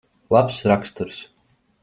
Labs raksturs.